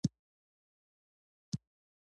د آسمان غېږه وه ډکه له بازانو